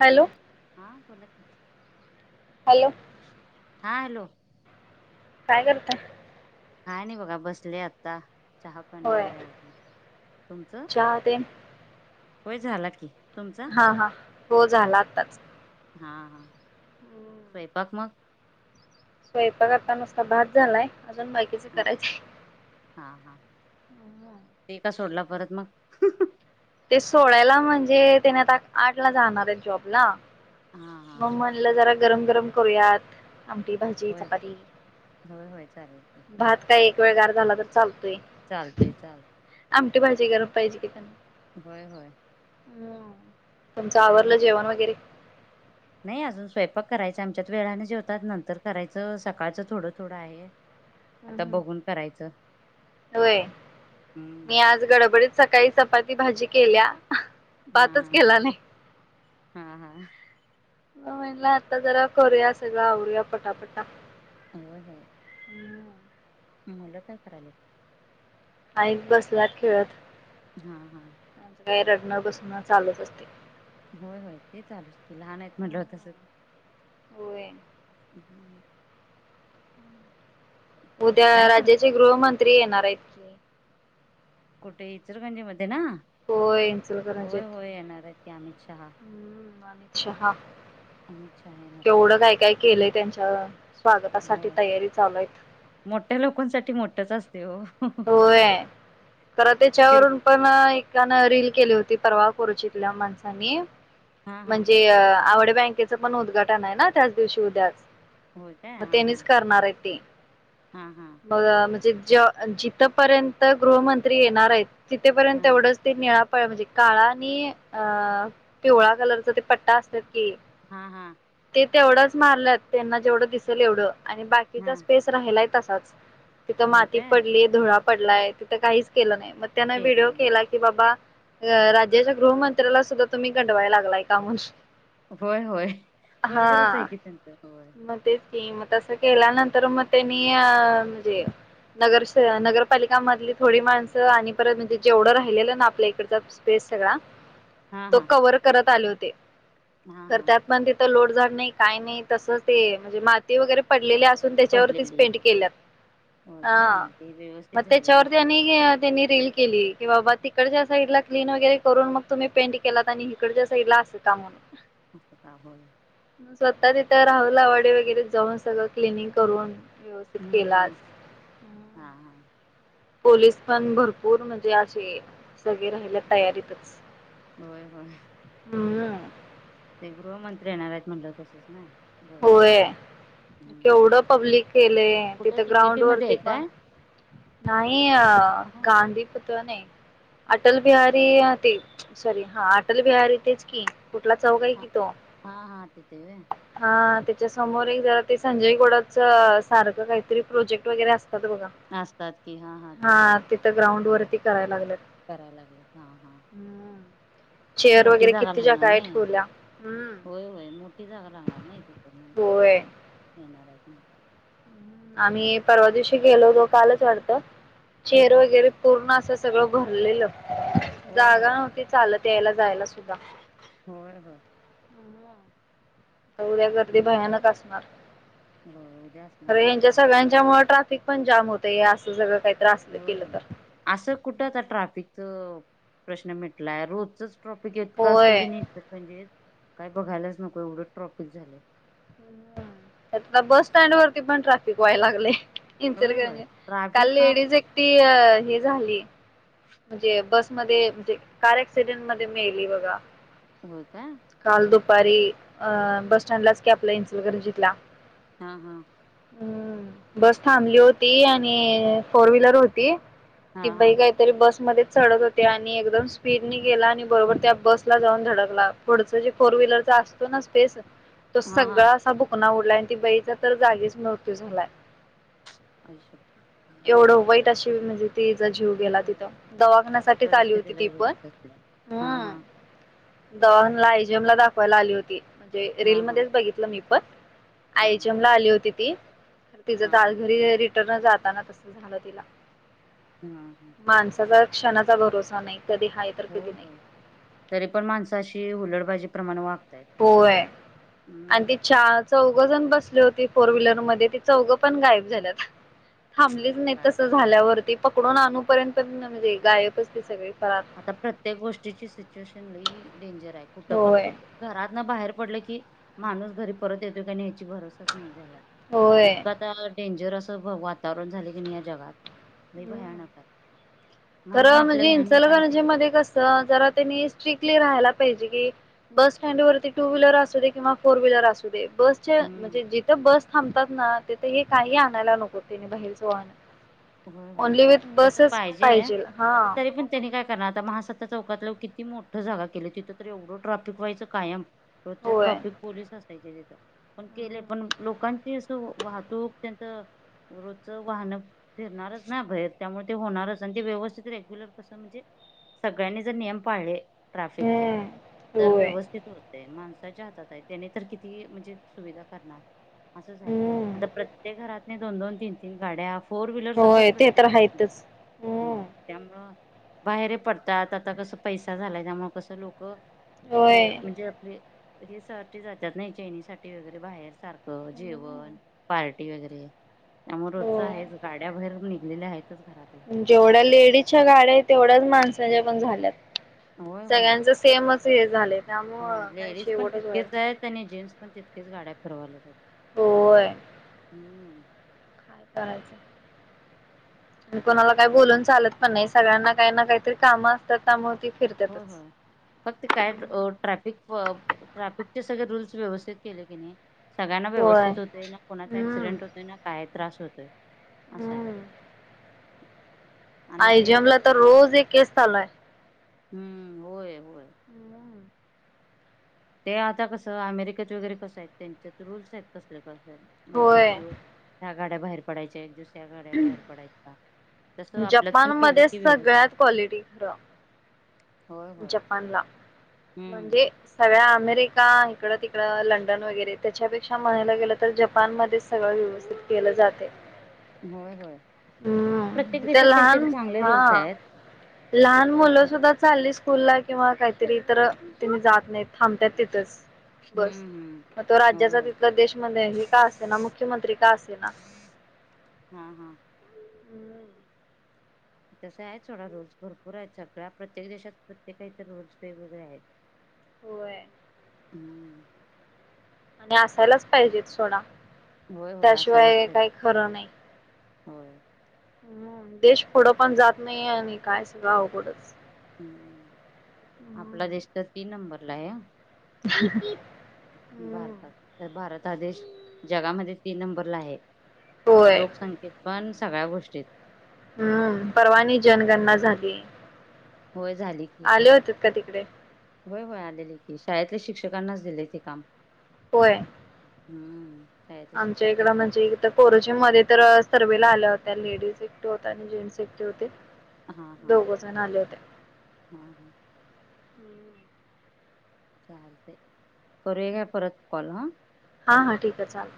Hello हा बोला की. [unintelligible] हां हॅलो. काय रे बेटा? काय नाही बघा बसले आत्ता. चहा पाणी होय वगैरे आवरल. तुमच? चहा ते होय झाला की. तुमचा हा हा हो झाला आत्ताच. हा हा स्वयंपाक मग स्वयंपाक आता नुसता भात झालाय. अजून बाकीच हा करायचंय हा हा ठी का ते का सोडलं? परत मग ते सोळ्याला म्हणजे त्याने आता आठ ला जाणार आहेत जॉब ला हा हा मग म्हणलं जरा गरम गरम करूयात आमटठी भाजी होय होय चपाती होय होय चालेल की भात काय एक वेळ गार झाला तर चाल चालतय चाल भाजी गरम पाहिजे की त्यांना होय होय तुमचं काय आवरलं म्हणतात जेवण वगैरे नाही अजून स्वयंपाक करायच आमच्यात वेळाने जेवतात नंतर करायचं सकाळचं थोडं थोडं आहे आता बघून करायचं होय मी हम्म आज गडबडीत सकाळी चपाती भाजी केल्या हा भातच हम केला नाही. हा हा म म्हणला आता जरा करूया सगळं आवरूया पटापटा हो का मला काय करा आले आणि बसलात खेळत हा हा बसून चालत असते होय होय ते चालू की लहान आहेत म्हटलं तसं होई हम्म उद्या काय करत राज्याचे गृहमंत्री येणार आहेत कि कुठे इचलकरंजी मध्ये ना होय इचलकरंजीत. होय होय येणार आहेत क अमित शहा हम्म अमित शहा अमित शहा येणार आहेत केवढ काय काय केलंय त्यांच्यावर स्वागतासाठी होय तयारी चालूयत मोठ्या लोकांसाठी मोठच असते हो होय ख किर त्याच्यावरून पण रील केली होती परवाह कोरुचीतल्या माणसानी हा हा म्हणजे आवड बँकेचं पण उद्घाटन आहे ना त्याच दिवशी उद्या होय काय मग हा हा त्यांनीच करणार आहे ते हा हा मग म्हणजे ज जिथपर्यंत गृहमंत्री येणार आहेत तिथेपर्यंत हा एवढंच त निळा प म्हणजे काळा आणि अ पिवळा कलरचा ते पट्टा असतात की हा हा ते तेवढंच मारलंत त्यांना जेवढं दिसेल एवढं आणि हा बाकीचा स्पेस राहिलाय तसाच तिथं होय माती काय पडली धुळा पडलाय तिथं काहीच केलं नाही मग त्यान केलं व्हिडिओ मी केला की बाबा अ राज्याच्या गृहमंत्र्याला सुद्धा तुम्ही गंडवायला लागलाय का म्हणून होय होय बरोबरच हा आहे कि त्यांचं होय मग तेच क मग तसं केल्या नंतर मग त्यांनी अ म्हणजे नगर नगरपालिकामधली थोडी माणसं आणि परत म्हणजे जेवढं राहिलेलं ना आपल्या इकडचा स्पेस इनस्टग्राम हा तो हा कवर करत आले होते हा तर हा त्यात पण तिथं लोडझाड नाही काय नाही तस ते म्हणजे माती वगैरे पडलेले असून त्याच्यावरतीच पडलेली पेंट केल्यात होय हा काय ते म व्यवस्थित झालं त्याच्यावर नसेल त्यांनी रिल ली की बाबा तिकडच्या साईड ला क्लीन वगैरे करून मग तुम्ही पेंट केलात आणि हिकडच्या साईडला अस का म्हणून अछ का हो स्वतः तिथे राहुल आवाडे वगैरे जाऊन सगळं क्लिनिंग करून व्यवस्थित हम्म केला हम्म हा हा पोलीस पण भरपूर म्हणजे असे सगळे राहायला तयारीतच होय होय हम्म ते गृहमंत्री येणार आहेत म्हटलं तसंच ना बरोबर होय हम्म केवढं पब्लिक केलंय कुठे तिथं तिकेटी ग्राउंड मध्ये आहे वरती पण काय नाही अऽऽ हा गांधीत नाही,, अटल बिहारी ते सॉरी हा अटल बिहारी तेच की.. कुठला चौ क आहे हा कि तो हा हा तिथे व्हय हा त्याच्या समोर एक जरा.. ते संजय गोडावत सारखं काहीतरी प्रोजेक्ट वगैरे असतात बघा.. ते हा हा तिथं. तोंड वरती कराय लागल्यात. करायला लागलेत हा हा,, चेअर मोठी वगैरे जागा किती ज लागणार काय नाही ठेवल्या,,, हम्म. होय होय मोठी जागा लागणार नाही,, ते तर म्हणज होय येणारच न. आम्ही परवा दिवशी गेलेलो, कालच वाढतं हम्म चेअर हम्म. वगैरे पूर्ण अस.. सगळं भरलेलं,, होय जागा होय नव्हती चालत, यायला जायला सुद्धा.. होय, होय, तर ऊद्या गर्दी आणि भयानक असणार.. होय उद्या असणार अरे यांच्या भरपूर. सगळ्यांच्या मुळं ट्राफिक पण जाम होत असं सगळं.. काही असलं होय, केलं तर असं कुठं आता ट्राफिकच प्रश्न मिटलाय रोजचच. ट्रॉपिक येतकी असत होय की नाही तर म काय बघायलाच नको एवढे ट्रॉपिक झाले आ,, बस स्टँड वरती पण ट्रॅफिक व्हाय लागले. होय इचलकरंजी होय म्हणजे, काल ट्राफिक हा लेडीज एकटी हे झाली. म्हणजे बसमध्ये, म्हणजे कार आक्सिडेंट मध्ये, मेली बघा.. हो का,, काल दुपारी अंऽ बस स्टँडलाच की आपला इचलकरंजी हा हा हम् बस थांबली होती, आणि फोर व्हीलर होती हा ती बाई हा काहीतरी बसमध्येध्ये. चडत होते आणि एकदम स्पीडन गेला आणि बरोबर त्या बसला जाऊन धडकला पुढचं जे फोर व्हीलर. जा असतो ना स्पेस. तो हा हा सगळा असा भुकणा उडलाय आणि ती बईचा तर जागीच मृत्यू झालाय. आई शपथ एवढं वाईट अशी म्हणजे ते. जीव गेला तिथं,, दवाखान्यासाठीच आली होती ती परिस्थितीलाही पण,, भेटत असेल हा हम् हा दवाखाना ला आयजीएम ला दाखवायला आली होती,, म्हणजे हा हा रीलमध्येध्येच बघितलं मी. हा हा आईजमला आली होती ती, तिच हा दाल हा घरी. जाताना तस झालं तिला. हम्म हम्,, माणसाचा क्षणाचा भरोसा नाही.. कधी हाय तर कधी नाही हो,,, तरी पण माणसाशी हुलडबाजी प्रमाण वागऽऽ हो आहे,, आणि ते चहा च. घ जण बसले होते फोर व्हीलर मध्ये ति चौघं पण गायब झाल्यात. थांबलीच नाही काय तसं झाल्यावरती, पकडून आणूपर्यंत पण म्हणजे गायबच ते सगळे.. आता प्रत्येक गोष्टीची सिच्युएशन लय डेंजर आहे कुठं पण, होय कुठ घरात ना बाहेर. पडल की माणूस घरी परत येतोय का या्याची भरोसाच नाही झाला होय इतका तर.. डेंजर असं वातावरण झाले की नाही या जगात.. नाही हम्म भयानक आहे म्हणून आपल्या लहान मुलांऽऽ जीम मध्ये कस जरा तणी स्टृईकली रहायला ऽऽ पाहीजे की बस स्टँड वरती टू व्हीलर असू दे किंवा फोर व्हीलर असू दे.. बसचे,, हम्म म्हणजे जिथं बस थांबतात ना तिथे हे काही होय आणायला नको.. तने बहिर सोान.. होय होय,,, तस पाहिजे हा आता तरी पण त्यांनी काय. कारण आता मासता चौकातलं किती मोठं जागा केलं तिथं तर एवढं ट्राफिक व्हायचं कायम... होय ट्राफिक पोलीस अस.. पण केलं हम्म पण लोकांची असं वाहतूक त्यांच रोच वाहन [unintelligible] फिरणारच ना भरर त्यामुळे ते होणारच आणि ते व्यवस्थित रेग्युलर कसं म्हणजे सगळ्यांनी जर नियम पाळले ट्रफिकचे तर होय व्यवस्थित होतेय माणस. हातात आहे त्याने तर किती म्हणजे सुविधा करणार असं झालं हम्म आता प्रत्येक घरात. नाही दोन दोन तीन तीन गाड्या फोर व्हीलर सकट होय ते प्रत्येक तर घरात नाही आहेतच मग हम्म त्यामुळं. बाहेरे पडतात आता कसं पैसा झालाय त्यामु कसं लोक. होय म्हणजे आपले हे सा जातात नाही ैनीसाठीठी वगैरे [inaudible] बाहेर सारख जेवण पार्टी वगैरे त्यामुळे हो रोजच आहे वैर निघले आहेत [unintelligible] जेवढ्या लेडीजच्या गाड्या तेवढ्याच माणसाच्या पण झाल्यात. होय होय सगळ्यांच सेमच हे झाले त्यामुळ होय काही शेवटच होईल तितक्या गाड्यारवल्या जात होय हम्म हाय कायच कोणाला काही आणि बोलून चालत पण नाही सगळ्यांना काही ना काहीतरी कामं असतात काम हो होय फक्त काय ट्रॅफिक ट्राफिक सगळे रूल्स व्यवस्थित केले कि नाही सगळ्यांना होय व्यवस्थित होतेय ना कोणाचा हम्म क्सडेंट होतोय ना काय त्रास होतो आहे असा आहे आणि आय ते जमला कसं तर रोज एक केस चालू आहे हम्म होय होय हम्म ते आता कसं अमेरिकेत वगैरे कसं आहेत त्यांच्यात रूल्स आहेत कसले कस म्हणजे एक होय दिवस ह्या गाड्या बाहेर पडायच्या एक दिवस या गाड्या बाहेर पडायच्या तसं आपल्यात जपान पण केलं मध्ये की व्यवस्थित सगळ्यात क्वालिटी खरं होय होय जपानला हम्म म्हणजे सगळ्या अमेर का इकडं तिकडं लंडन वगैरे त्याच्यापेक्षा म्हणालं गेलं तर जपानमध्ये सगळं व्यवस्थित के केलं जाते होय होय हम्म प्रत्येक तथ देशात काहीतरी लहान चांगले रूल्स हा आहेत लहान मुलं असं सुद्धा चालीस स्कूल ला किंवा काहीतरी तर तम्ही जात नाही थांबतात तिथच हम्म हम्म मग तो होय राज्याचा होय तिथला देश म्ह ह का असेना मुख्यमंत्री का असेना हा हा तस आहे थोडा रूल्स भरपूर आहेत सगळ्या प्रत्येक देशात प्रत्येका इथ रूल्स वेगवेगळे आहेत होय हम्म आणि असायलाच पाहिजेत सोडा होय होय असायलाच त्याशिवाय पाहिजे काही खरं नाही होय [inaudible] हम्म देश पुढं पण जात नाहीे आणि काय सगं अकडंच हम्म आपला देश तर तीन नंबरला आहे भारतात तर भारत देश जगामध्ये तीन नंबरला आहे, होय लोकसंख्येत पण सगळ्या गोष्टीत हम्म परवा नई जनगणना झाली. होय झाली की आले होते का तिकडे? होय होय आलेले की शाळेतले शिक्षकांनाच दिले ते काम होय. हम्म [unintelligible] आमच्या शिक्षक इकडं करतात म्हणजे इत कोरोजिम मध्ये तर सर्वेला आल त्या लेडीज एकटे होता आणि जेन्ट्स एकटे होते. हा हा हा दोघजण आले होते. हा चालतय करूया काय परत कॉल हं. हा हा ठीक आहे चालेल.